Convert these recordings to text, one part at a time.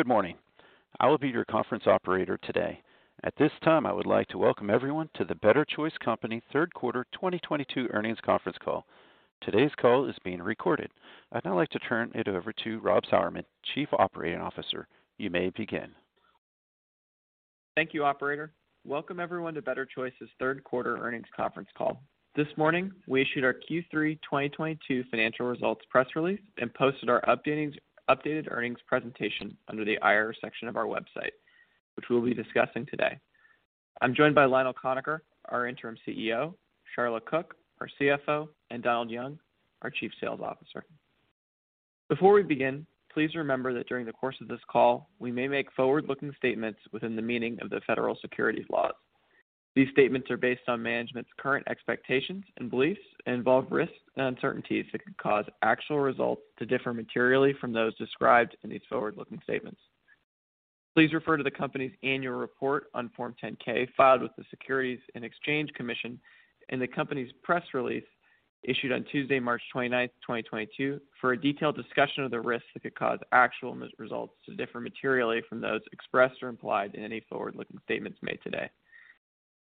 Good morning. I will be your conference operator today. At this time, I would like to welcome everyone to the Better Choice Company third quarter 2022 earnings conference call. Today's call is being recorded. I'd now like to turn it over to Rob Sauermann, Chief Operating Officer. You may begin. Thank you, operator. Welcome everyone to Better Choice's third quarter earnings conference call. This morning, we issued our Q3 2022 financial results press release and posted our updated earnings presentation under the IR section of our website, which we'll be discussing today. I'm joined by Lionel Conacher, our interim CEO, Sharla Cook, our CFO, and Donald Young, our chief sales officer. Before we begin, please remember that during the course of this call, we may make forward-looking statements within the meaning of the federal securities laws. These statements are based on management's current expectations and beliefs and involve risks and uncertainties that could cause actual results to differ materially from those described in these forward-looking statements. Please refer to the company's annual report on Form 10-K filed with the Securities and Exchange Commission and the company's press release issued on Tuesday, March 29, 2022 for a detailed discussion of the risks that could cause actual results to differ materially from those expressed or implied in any forward-looking statements made today.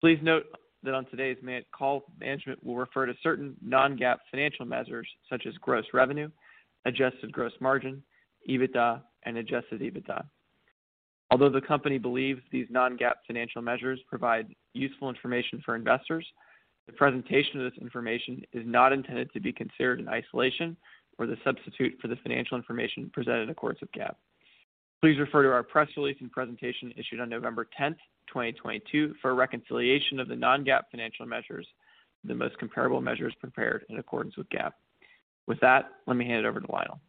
Please note that on today's management call, management will refer to certain non-GAAP financial measures such as gross revenue, adjusted gross margin, EBITDA and adjusted EBITDA. Although the company believes these non-GAAP financial measures provide useful information for investors, the presentation of this information is not intended to be considered in isolation or as a substitute for the financial information presented in accordance with GAAP. Please refer to our press release and presentation issued on November tenth, twenty twenty-two for a reconciliation of the non-GAAP financial measures, the most comparable measures prepared in accordance with GAAP. With that, let me hand it over to Lionel.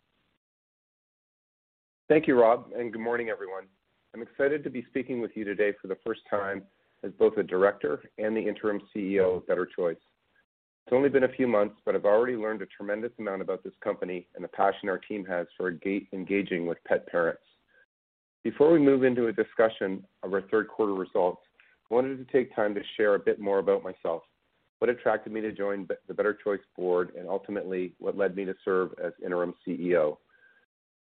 Thank you, Rob, and good morning, everyone. I'm excited to be speaking with you today for the first time as both a director and the Interim CEO of Better Choice. It's only been a few months, but I've already learned a tremendous amount about this company and the passion our team has for engaging with pet parents. Before we move into a discussion of our third quarter results, I wanted to take time to share a bit more about myself, what attracted me to join the Better Choice board, and ultimately what led me to serve as Interim CEO.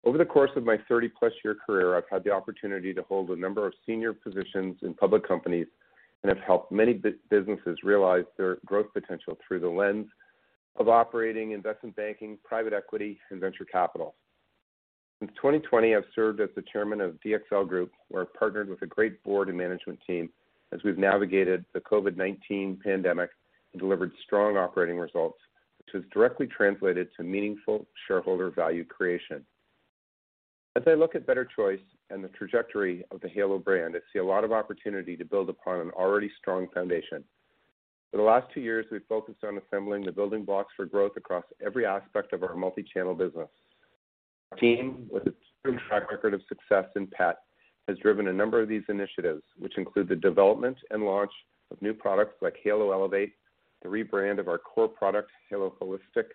Over the course of my 30+ year career, I've had the opportunity to hold a number of senior positions in public companies and have helped many businesses realize their growth potential through the lens of operating investment banking, private equity, and venture capital. Since 2020, I've served as the chairman of DXL Group, where I've partnered with a great board and management team as we've navigated the COVID-19 pandemic and delivered strong operating results, which has directly translated to meaningful shareholder value creation. As I look at Better Choice and the trajectory of the Halo brand, I see a lot of opportunity to build upon an already strong foundation. For the last two years, we've focused on assembling the building blocks for growth across every aspect of our multichannel business. Our team, with its proven track record of success in pet, has driven a number of these initiatives, which include the development and launch of new products like Halo Elevate, the rebrand of our core product, Halo Holistic,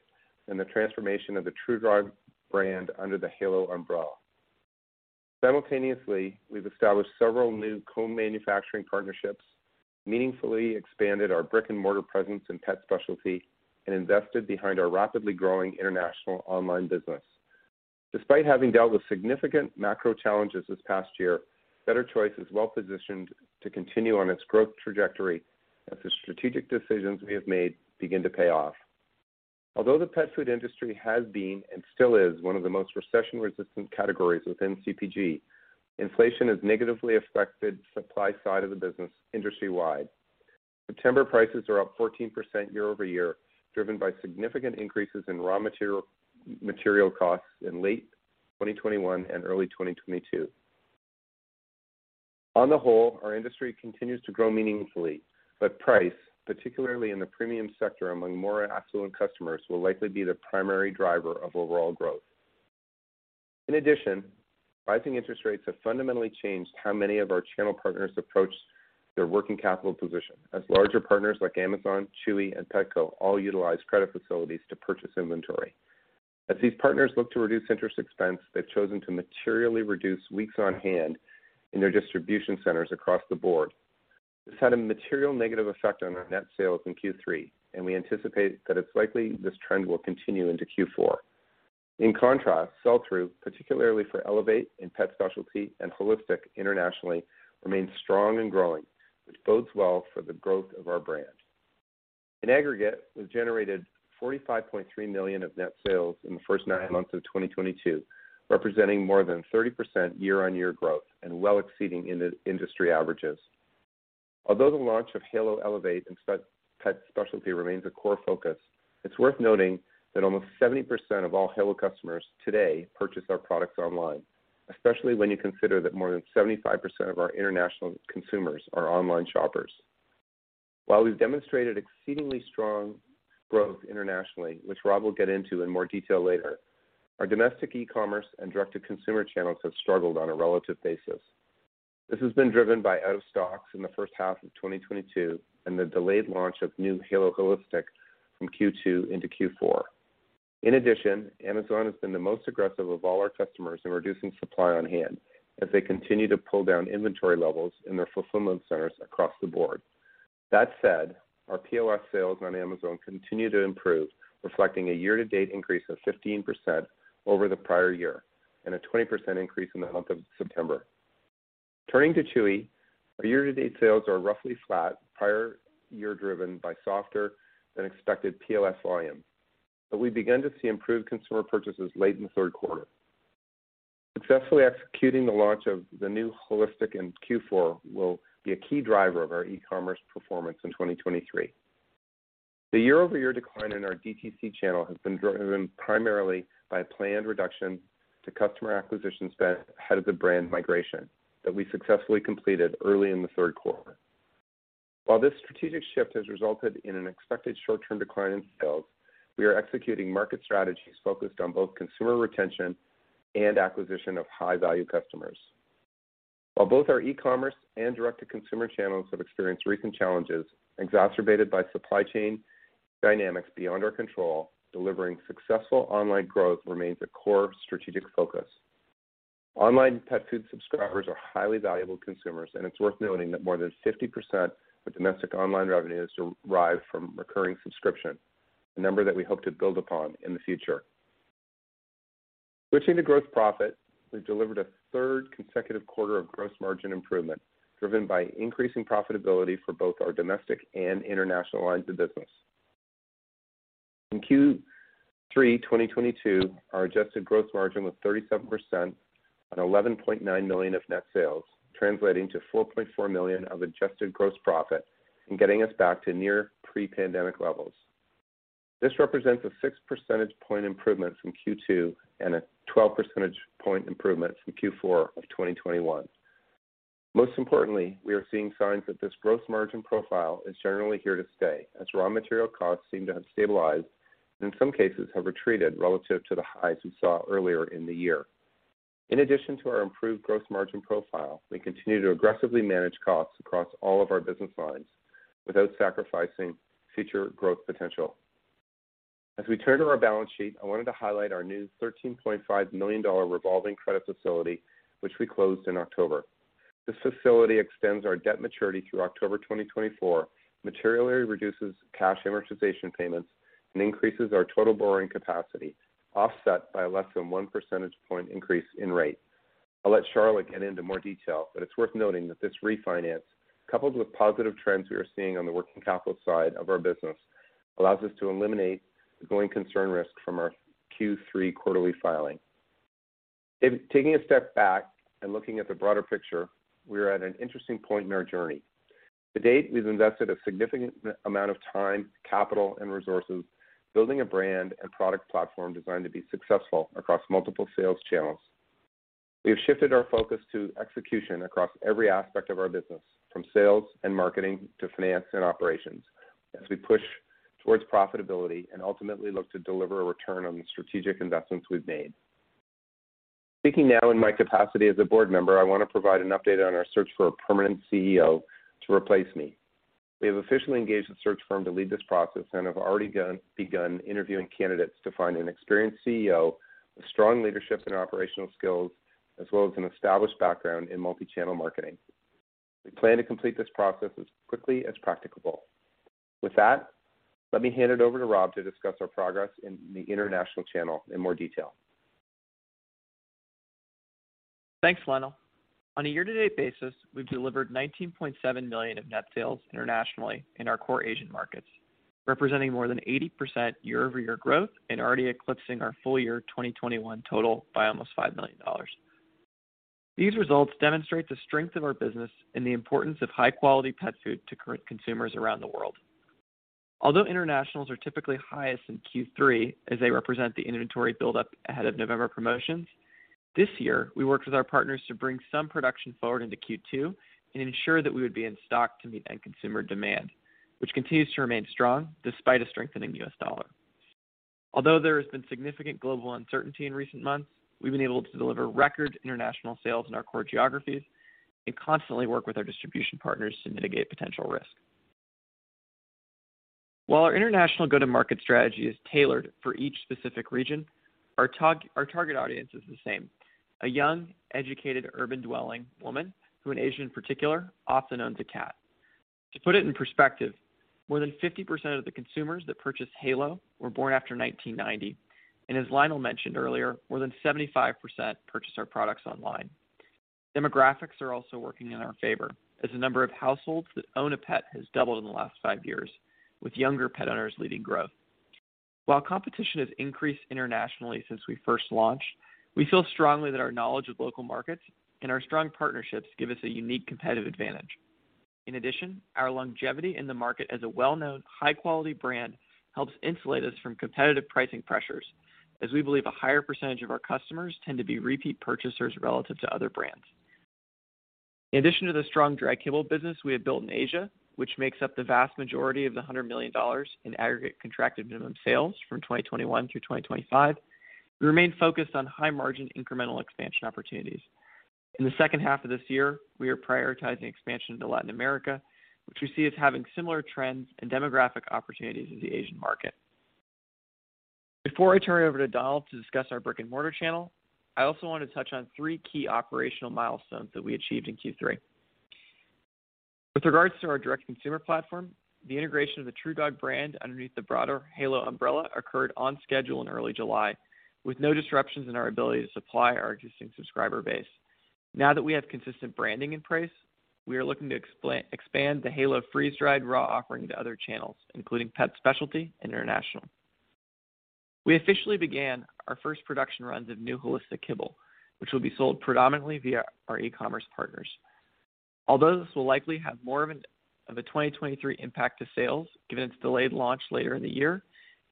and the transformation of the TruDog brand under the Halo umbrella. Simultaneously, we've established several new co-manufacturing partnerships, meaningfully expanded our brick-and-mortar presence in pet specialty, and invested behind our rapidly growing international online business. Despite having dealt with significant macro challenges this past year, Better Choice is well positioned to continue on its growth trajectory as the strategic decisions we have made begin to pay off. Although the pet food industry has been, and still is, one of the most recession-resistant categories within CPG, inflation has negatively affected supply side of the business industry-wide. September prices are up 14% year-over-year, driven by significant increases in raw material costs in late 2021 and early 2022. On the whole, our industry continues to grow meaningfully, but price, particularly in the premium sector among more affluent customers, will likely be the primary driver of overall growth. In addition, rising interest rates have fundamentally changed how many of our channel partners approach their working capital position, as larger partners like Amazon, Chewy, and Petco all utilize credit facilities to purchase inventory. As these partners look to reduce interest expense, they've chosen to materially reduce weeks on hand in their distribution centers across the board. This had a material negative effect on our net sales in Q3, and we anticipate that it's likely this trend will continue into Q4. In contrast, sell-through, particularly for Elevate in pet specialty and Holistic internationally, remains strong and growing, which bodes well for the growth of our brand. In aggregate, we've generated $45.3 million of net sales in the first nine months of 2022, representing more than 30% year-on-year growth and well exceeding industry averages. Although the launch of Halo Elevate and Pet Specialty remains a core focus, it's worth noting that almost 70% of all Halo customers today purchase our products online, especially when you consider that more than 75% of our international consumers are online shoppers. While we've demonstrated exceedingly strong growth internationally, which Rob will get into in more detail later, our domestic e-commerce and direct-to-consumer channels have struggled on a relative basis. This has been driven by out of stocks in the first half of 2022 and the delayed launch of new Halo Holistic from Q2 into Q4. In addition, Amazon has been the most aggressive of all our customers in reducing supply on hand as they continue to pull down inventory levels in their fulfillment centers across the board. That said, our POS sales on Amazon continue to improve, reflecting a year-to-date increase of 15% over the prior year, and a 20% increase in the month of September. Turning to Chewy, our year-to-date sales are roughly flat prior year, driven by softer-than-expected POS volume. We began to see improved consumer purchases late in the third quarter. Successfully executing the launch of the new holistic in Q4 will be a key driver of our e-commerce performance in 2023. The year-over-year decline in our DTC channel has been driven primarily by a planned reduction to customer acquisition spend ahead of the brand migration that we successfully completed early in the third quarter. While this strategic shift has resulted in an expected short-term decline in sales, we are executing market strategies focused on both consumer retention and acquisition of high-value customers. While both our e-commerce and direct-to-consumer channels have experienced recent challenges exacerbated by supply chain dynamics beyond our control, delivering successful online growth remains a core strategic focus. Online pet food subscribers are highly valuable consumers, and it's worth noting that more than 50% of domestic online revenue is derived from recurring subscription, a number that we hope to build upon in the future. Switching to gross profit, we've delivered a third consecutive quarter of gross margin improvement, driven by increasing profitability for both our domestic and international lines of business. In Q3 2022, our adjusted gross margin was 37% on $11.9 million of net sales, translating to $4.4 million of adjusted gross profit and getting us back to near pre-pandemic levels. This represents a 6 percentage point improvement from Q2 and a 12 percentage point improvement from Q4 of 2021. Most importantly, we are seeing signs that this gross margin profile is generally here to stay, as raw material costs seem to have stabilized and in some cases have retreated relative to the highs we saw earlier in the year. In addition to our improved gross margin profile, we continue to aggressively manage costs across all of our business lines without sacrificing future growth potential. As we turn to our balance sheet, I wanted to highlight our new $13.5 million revolving credit facility, which we closed in October. This facility extends our debt maturity through October 2024, materially reduces cash amortization payments, and increases our total borrowing capacity, offset by a less than 1 percentage point increase in rate. I'll let Sharla get into more detail, but it's worth noting that this refinance, coupled with positive trends we are seeing on the working capital side of our business, allows us to eliminate the going concern risk from our Q3 quarterly filing. Taking a step back and looking at the broader picture, we are at an interesting point in our journey. To date, we've invested a significant amount of time, capital, and resources building a brand and product platform designed to be successful across multiple sales channels. We have shifted our focus to execution across every aspect of our business, from sales and marketing to finance and operations, as we push towards profitability and ultimately look to deliver a return on the strategic investments we've made. Speaking now in my capacity as a board member, I want to provide an update on our search for a permanent CEO to replace me. We have officially engaged a search firm to lead this process and have already begun interviewing candidates to find an experienced CEO with strong leadership and operational skills, as well as an established background in multi-channel marketing. We plan to complete this process as quickly as practicable. With that, let me hand it over to Rob to discuss our progress in the international channel in more detail. Thanks, Lionel. On a year-to-date basis, we've delivered $19.7 million of net sales internationally in our core Asian markets, representing more than 80% year-over-year growth and already eclipsing our full-year 2021 total by almost $5 million. These results demonstrate the strength of our business and the importance of high-quality pet food to current consumers around the world. Although international sales are typically highest in Q3 as they represent the inventory buildup ahead of November promotions, this year we worked with our partners to bring some production forward into Q2 and ensure that we would be in stock to meet end consumer demand, which continues to remain strong despite a strengthening US dollar. Although there has been significant global uncertainty in recent months, we've been able to deliver record international sales in our core geographies and constantly work with our distribution partners to mitigate potential risk. While our international go-to-market strategy is tailored for each specific region, our target audience is the same: a young, educated, urban-dwelling woman who, in Asia in particular, also owns a cat. To put it in perspective, more than 50% of the consumers that purchased Halo were born after 1990, and as Lionel mentioned earlier, more than 75% purchased our products online. Demographics are also working in our favor, as the number of households that own a pet has doubled in the last five years, with younger pet owners leading growth. While competition has increased internationally since we first launched, we feel strongly that our knowledge of local markets and our strong partnerships give us a unique competitive advantage. In addition, our longevity in the market as a well-known, high-quality brand helps insulate us from competitive pricing pressures, as we believe a higher percentage of our customers tend to be repeat purchasers relative to other brands. In addition to the strong dry kibble business we have built in Asia, which makes up the vast majority of the $100 million in aggregate contracted minimum sales from 2021 through 2025, we remain focused on high-margin incremental expansion opportunities. In the second half of this year, we are prioritizing expansion into Latin America, which we see as having similar trends and demographic opportunities as the Asian market. Before I turn it over to Donald to discuss our brick-and-mortar channel, I also want to touch on three key operational milestones that we achieved in Q3. With regards to our direct consumer platform, the integration of the TruDog brand underneath the broader Halo umbrella occurred on schedule in early July, with no disruptions in our ability to supply our existing subscriber base. Now that we have consistent branding in place, we are looking to expand the Halo freeze-dried raw offering to other channels, including pet specialty and international. We officially began our first production runs of new holistic kibble, which will be sold predominantly via our e-commerce partners. Although this will likely have more of a 2023 impact to sales, given its delayed launch later in the year,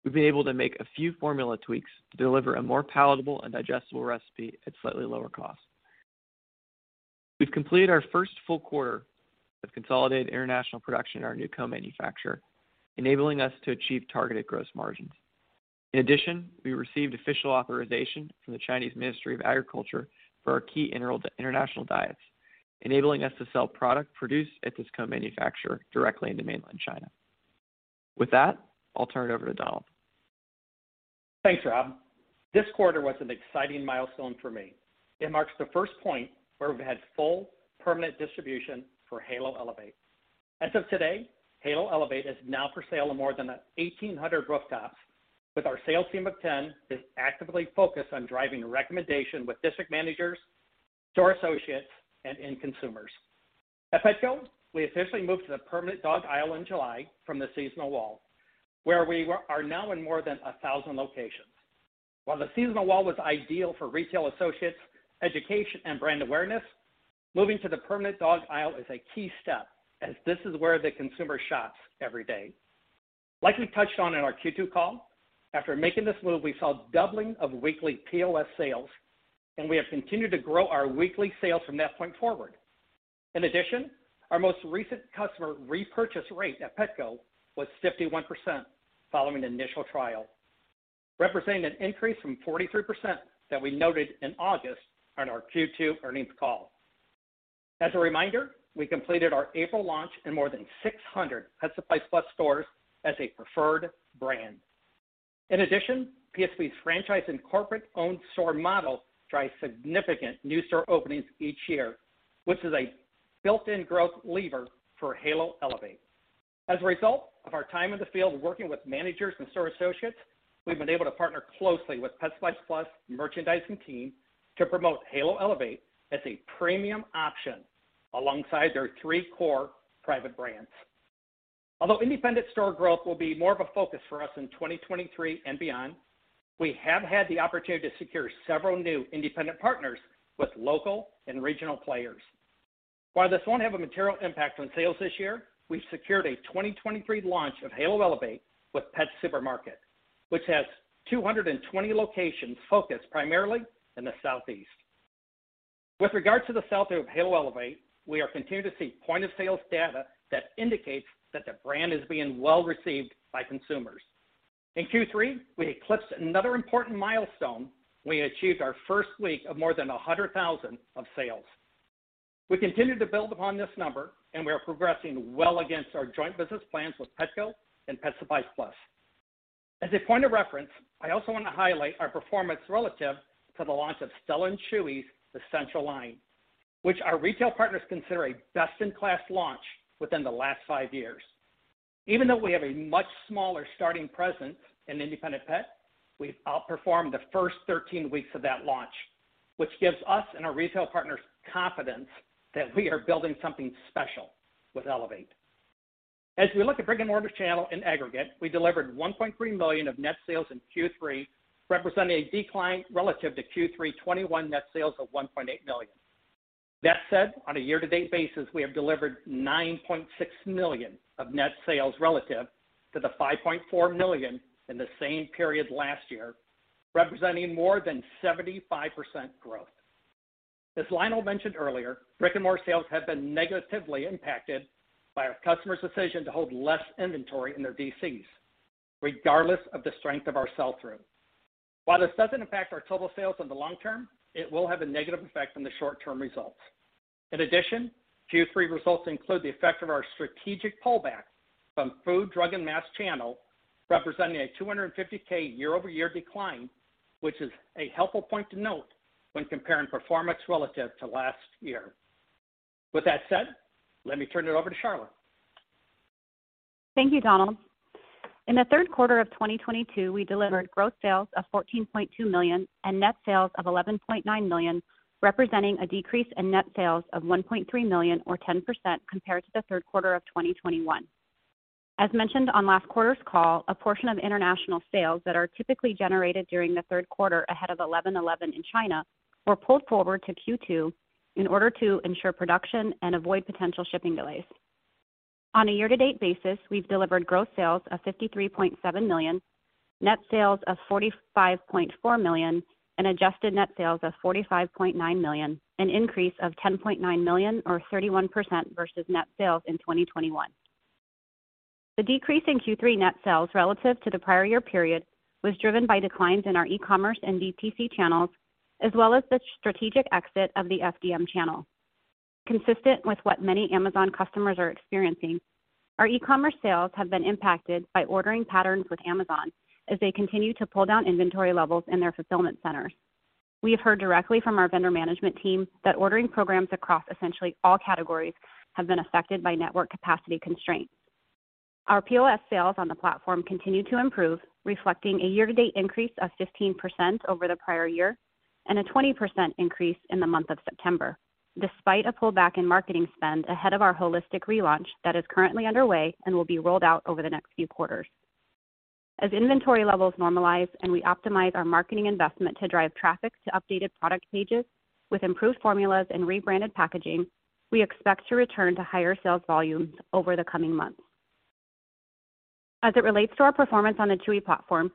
we've been able to make a few formula tweaks to deliver a more palatable and digestible recipe at slightly lower cost. We've completed our first full quarter of consolidated international production in our new co-manufacturer, enabling us to achieve targeted gross margins. In addition, we received official authorization from the Chinese Ministry of Agriculture for our key international diets, enabling us to sell product produced at this co-manufacturer directly into mainland China. With that, I'll turn it over to Donald. Thanks, Rob. This quarter was an exciting milestone for me. It marks the first point where we've had full permanent distribution for Halo Elevate. As of today, Halo Elevate is now for sale in more than 1,800 rooftops, with our sales team of 10 is actively focused on driving recommendation with district managers, store associates, and end consumers. At Petco, we officially moved to the permanent dog aisle in July from the seasonal wall, where we are now in more than 1,000 locations. While the seasonal wall was ideal for retail associates, education and brand awareness, moving to the permanent dog aisle is a key step as this is where the consumer shops every day. Like we touched on in our Q2 call, after making this move, we saw doubling of weekly POS sales, and we have continued to grow our weekly sales from that point forward. In addition, our most recent customer repurchase rate at Petco was 51% following the initial trial, representing an increase from 43% that we noted in August on our Q2 earnings call. As a reminder, we completed our April launch in more than 600 Pet Supplies Plus stores as a preferred brand. In addition, PSP's franchise and corporate-owned store model drives significant new store openings each year, which is a built-in growth lever for Halo Elevate. As a result of our time in the field working with managers and store associates, we've been able to partner closely with Pet Supplies Plus merchandising team to promote Halo Elevate as a premium option alongside their three core private brands. Although independent store growth will be more of a focus for us in 2023 and beyond, we have had the opportunity to secure several new independent partners with local and regional players. While this won't have a material impact on sales this year, we've secured a 2023 launch of Halo Elevate with Pet Supermarket, which has 220 locations focused primarily in the Southeast. With regards to the sales through Halo Elevate, we are continuing to see point-of-sales data that indicates that the brand is being well-received by consumers. In Q3, we eclipsed another important milestone when we achieved our first week of more than $100,000 in sales. We continue to build upon this number, and we are progressing well against our joint business plans with Petco and Pet Supplies Plus. As a point of reference, I also wanna highlight our performance relative to the launch of Stella & Chewy's, the Central Line, which our retail partners consider a best-in-class launch within the last five years. Even though we have a much smaller starting presence in independent pet, we've outperformed the first 13 weeks of that launch, which gives us and our retail partners confidence that we are building something special with Elevate. As we look at brick-and-mortar channel in aggregate, we delivered $1.3 million of net sales in Q3, representing a decline relative to Q3 2021 net sales of $1.8 million. That said, on a year-to-date basis, we have delivered $9.6 million of net sales relative to the $5.4 million in the same period last year, representing more than 75% growth. As Lionel mentioned earlier, brick-and-mortar sales have been negatively impacted by our customer's decision to hold less inventory in their DCs, regardless of the strength of our sell-through. While this doesn't impact our total sales in the long term, it will have a negative effect on the short-term results. In addition, Q3 results include the effect of our strategic pullback from food, drug, and mass channel, representing a $250K year-over-year decline, which is a helpful point to note when comparing performance relative to last year. With that said, let me turn it over to Sharla. Thank you, Donald. In the third quarter of 2022, we delivered growth sales of $14.2 million and net sales of $11.9 million, representing a decrease in net sales of $1.3 million or 10% compared to the third quarter of 2021. As mentioned on last quarter's call, a portion of international sales that are typically generated during the third quarter ahead of 11.11 in China were pulled forward to Q2 in order to ensure production and avoid potential shipping delays. On a year-to-date basis, we've delivered growth sales of $53.7 million, net sales of $45.4 million, and adjusted net sales of $45.9 million, an increase of $10.9 million or 31% versus net sales in 2021. The decrease in Q3 net sales relative to the prior year period was driven by declines in our e-commerce and DTC channels, as well as the strategic exit of the FDM channel. Consistent with what many Amazon customers are experiencing, our e-commerce sales have been impacted by ordering patterns with Amazon as they continue to pull down inventory levels in their fulfillment centers. We have heard directly from our vendor management team that ordering programs across essentially all categories have been affected by network capacity constraints. Our POS sales on the platform continue to improve, reflecting a year-to-date increase of 15% over the prior year and a 20% increase in the month of September, despite a pullback in marketing spend ahead of our holistic relaunch that is currently underway and will be rolled out over the next few quarters. As inventory levels normalize and we optimize our marketing investment to drive traffic to updated product pages with improved formulas and rebranded packaging, we expect to return to higher sales volumes over the coming months. As it relates to our performance on the Chewy platform,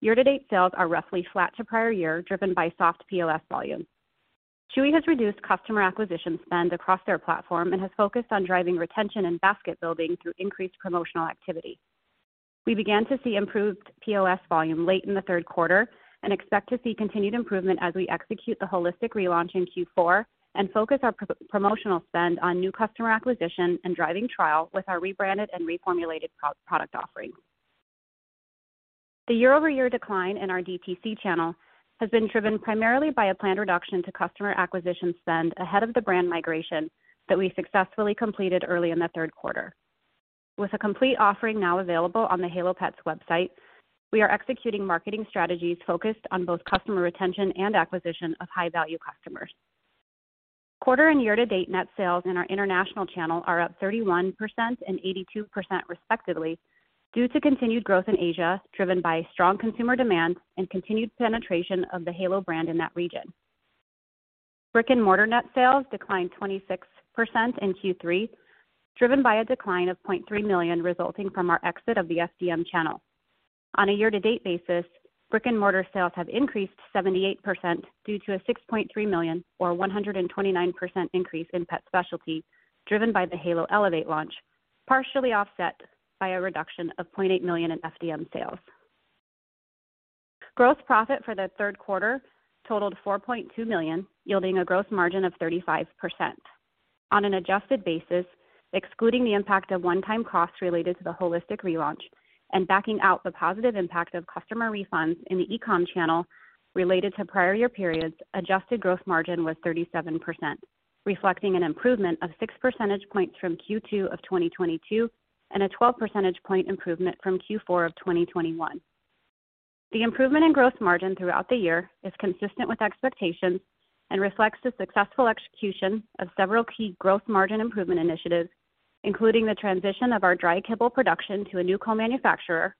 year-to-date sales are roughly flat to prior year, driven by soft POS volumes. Chewy has reduced customer acquisition spend across their platform and has focused on driving retention and basket building through increased promotional activity. We began to see improved POS volume late in the third quarter and expect to see continued improvement as we execute the holistic relaunch in Q4 and focus our promotional spend on new customer acquisition and driving trial with our rebranded and reformulated product offerings. The year-over-year decline in our DTC channel has been driven primarily by a planned reduction to customer acquisition spend ahead of the brand migration that we successfully completed early in the third quarter. With a complete offering now available on the Halo Pets website, we are executing marketing strategies focused on both customer retention and acquisition of high-value customers. Quarter and year-to-date net sales in our international channel are up 31% and 82% respectively, due to continued growth in Asia, driven by strong consumer demand and continued penetration of the Halo brand in that region. Brick-and-mortar net sales declined 26% in Q3, driven by a decline of $0.3 million resulting from our exit of the FDM channel. On a year-to-date basis, brick-and-mortar sales have increased 78% due to a $6.3 million or 129% increase in pet specialty, driven by the Halo Elevate launch, partially offset by a reduction of $0.8 million in FDM sales. Gross profit for the third quarter totaled $4.2 million, yielding a gross margin of 35%. On an adjusted basis, excluding the impact of one-time costs related to the holistic relaunch and backing out the positive impact of customer refunds in the e-com channel related to prior year periods, adjusted gross margin was 37%, reflecting an improvement of 6 percentage points from Q2 of 2022 and a 12 percentage point improvement from Q4 of 2021. The improvement in growth margin throughout the year is consistent with expectations and reflects the successful execution of several key growth margin improvement initiatives, including the transition of our dry kibble production to a new co-manufacturer,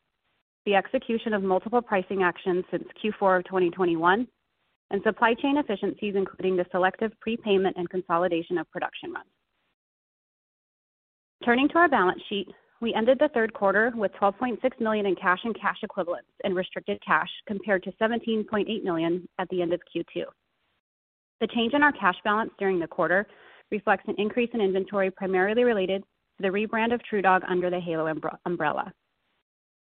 the execution of multiple pricing actions since Q4 of 2021, and supply chain efficiencies, including the selective prepayment and consolidation of production runs. Turning to our balance sheet, we ended the third quarter with $12.6 million in cash and cash equivalents and restricted cash, compared to $17.8 million at the end of Q2. The change in our cash balance during the quarter reflects an increase in inventory primarily related to the rebrand of TruDog under the Halo umbrella.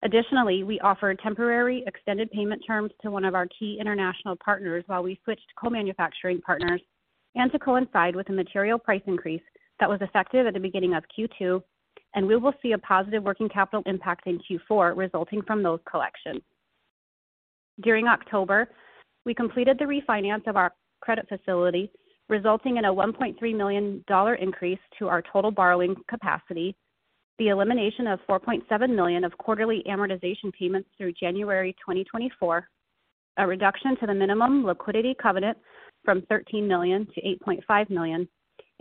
Additionally, we offer temporary extended payment terms to one of our key international partners while we switched co-manufacturing partners and to coincide with the material price increase that was effective at the beginning of Q2, and we will see a positive working capital impact in Q4 resulting from those collections. During October, we completed the refinance of our credit facility, resulting in a $1.3 million increase to our total borrowing capacity, the elimination of $4.7 million of quarterly amortization payments through January 2024, a reduction to the minimum liquidity covenant from $13 million to $8.5 million,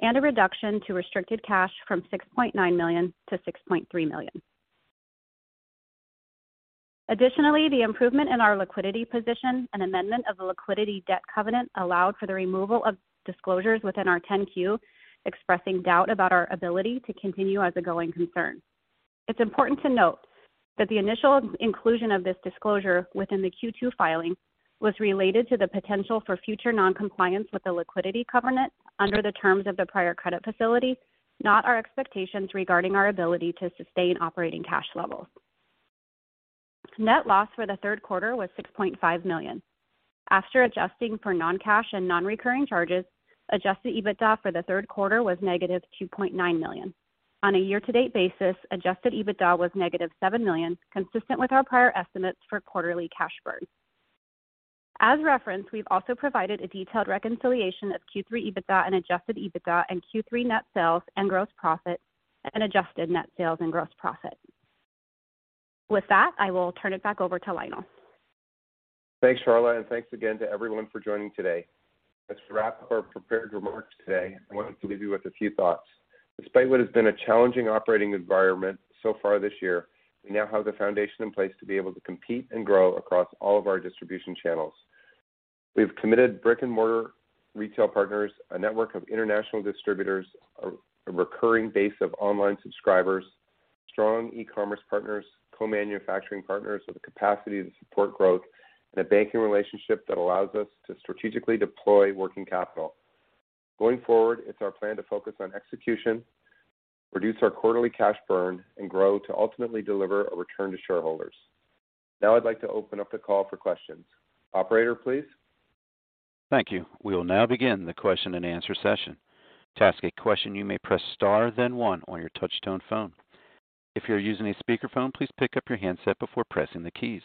and a reduction to restricted cash from $6.9 million to $6.3 million. Additionally, the improvement in our liquidity position and amendment of the liquidity debt covenant allowed for the removal of disclosures within our 10-Q, expressing doubt about our ability to continue as a going concern. It's important to note that the initial inclusion of this disclosure within the Q2 filing was related to the potential for future non-compliance with the liquidity covenant under the terms of the prior credit facility, not our expectations regarding our ability to sustain operating cash levels. Net loss for the third quarter was $6.5 million. After adjusting for non-cash and non-recurring charges, adjusted EBITDA for the third quarter was -$2.9 million. On a year-to-date basis, adjusted EBITDA was -$7 million, consistent with our prior estimates for quarterly cash burn. As referenced, we've also provided a detailed reconciliation of Q3 EBITDA and adjusted EBITDA and Q3 net sales and gross profit and adjusted net sales and gross profit. With that, I will turn it back over to Lionel. Thanks, Sharla, and thanks again to everyone for joining today. As we wrap up our prepared remarks today, I wanted to leave you with a few thoughts. Despite what has been a challenging operating environment so far this year, we now have the foundation in place to be able to compete and grow across all of our distribution channels. We've committed brick-and-mortar retail partners, a network of international distributors, a recurring base of online subscribers, strong e-commerce partners, co-manufacturing partners with the capacity to support growth, and a banking relationship that allows us to strategically deploy working capital. Going forward, it's our plan to focus on execution. Reduce our quarterly cash burn and grow to ultimately deliver a return to shareholders. Now I'd like to open up the call for questions. Operator, please. Thank you. We'll now begin the question-and-answer session. To ask a question, you may press star then one on your touch-tone phone. If you're using a speakerphone, please pick up your handset before pressing the keys.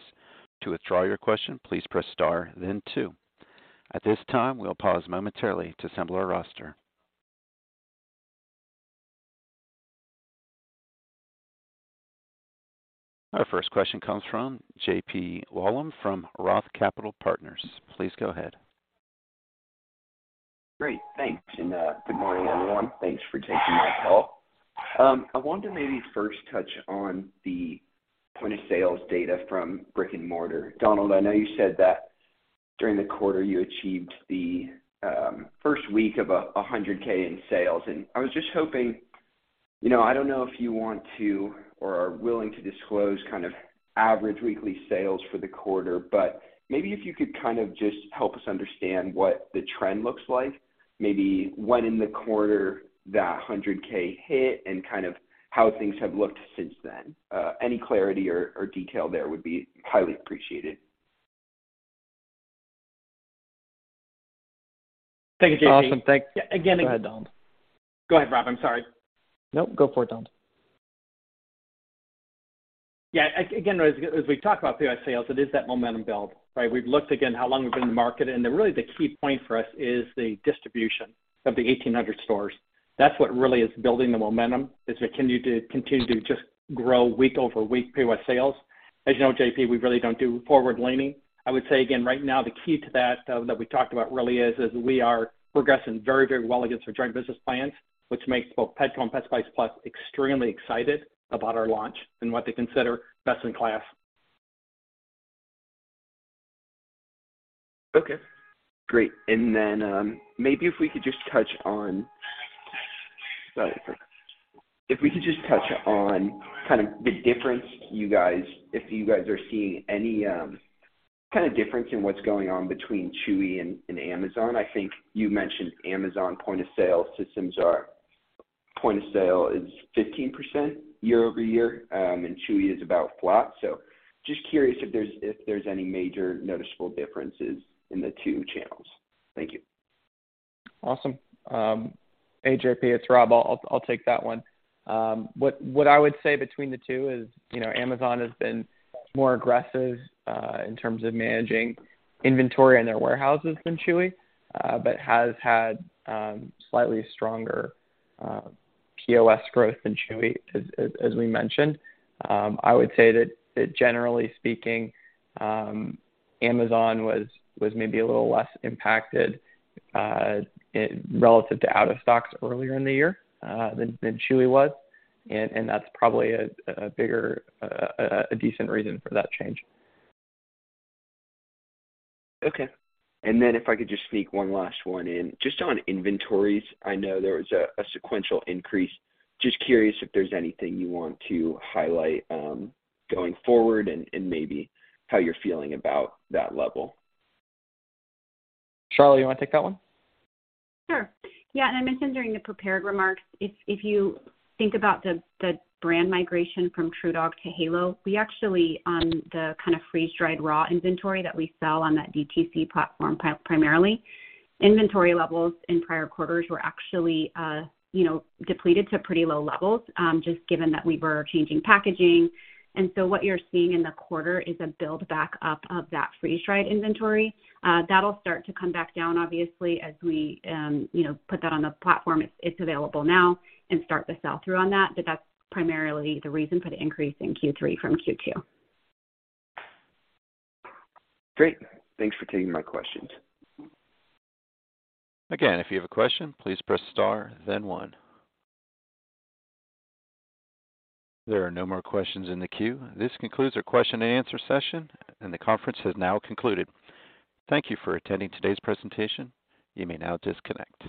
To withdraw your question, please press star then two. At this time, we'll pause momentarily to assemble our roster. Our first question comes from JP Wollam from Roth Capital Partners. Please go ahead. Great. Thanks. Good morning, everyone. Thanks for taking my call. I want to maybe first touch on the point-of-sale data from brick-and-mortar. Donald, I know you said that during the quarter you achieved the first week of $100K in sales. I was just hoping, you know, I don't know if you want to or are willing to disclose kind of average weekly sales for the quarter, but maybe if you could kind of just help us understand what the trend looks like, maybe when in the quarter that $100K hit and kind of how things have looked since then. Any clarity or detail there would be highly appreciated. Thank you, JP. Awesome. Again- Go ahead, Donald. Go ahead, Rob. I'm sorry. Nope. Go for it, Donald. Yeah. Again, as we talk about PO sales, it is that momentum build, right? We've looked again how long we've been in the market, and then really the key point for us is the distribution of the 1,800 stores. That's what really is building the momentum, is we continue to just grow week-over-week PO sales. As you know, JP, we really don't do forward-looking. I would say again, right now, the key to that that we talked about really is we are progressing very, very well against our joint business plans, which makes both Petco and Pet Supplies Plus extremely excited about our launch and what they consider best in class. Okay. Great. If we could just touch on kind of the difference you guys are seeing any kind of difference in what's going on between Chewy and Amazon. I think you mentioned Amazon point of sale is 15% year-over-year, and Chewy is about flat. Just curious if there's any major noticeable differences in the two channels. Thank you. Awesome. Hey, JP, it's Rob. I'll take that one. What I would say between the two is, you know, Amazon has been more aggressive in terms of managing inventory in their warehouses than Chewy, but has had slightly stronger POS growth than Chewy as we mentioned. I would say that generally speaking, Amazon was maybe a little less impacted relative to out of stocks earlier in the year than Chewy was. That's probably a bigger decent reason for that change. Okay. If I could just sneak one last one in. Just on inventories, I know there was a sequential increase. Just curious if there's anything you want to highlight, going forward and maybe how you're feeling about that level. Sharla, you wanna take that one? Sure. Yeah, I mentioned during the prepared remarks, if you think about the brand migration from TruDog to Halo, we actually on the kind of freeze-dried raw inventory that we sell on that DTC platform primarily, inventory levels in prior quarters were actually, you know, depleted to pretty low levels, just given that we were changing packaging. What you're seeing in the quarter is a build back up of that freeze-dried inventory. That'll start to come back down obviously as we, you know, put that on the platform. It's available now and start the sell-through on that. That's primarily the reason for the increase in Q3 from Q2. Great. Thanks for taking my questions. Again, if you have a question, please press Star then One. There are no more questions in the queue. This concludes our question and answer session, and the conference has now concluded. Thank you for attending today's presentation. You may now disconnect.